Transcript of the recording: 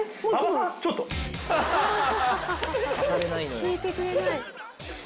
聞いてくれない。